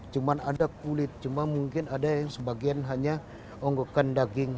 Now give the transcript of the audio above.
cuma ada kulit cuma mungkin ada yang sebagian hanya onggokan daging